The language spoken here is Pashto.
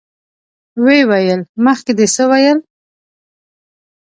ويې ويل: مخکې دې څه ويل؟